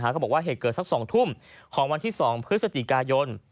เขาบอกว่าเหตุเกิดสัก๒ทุ่มของวันที่๒พฤศจิกายน